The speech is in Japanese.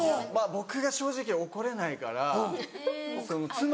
僕が正直怒れないからその妻が。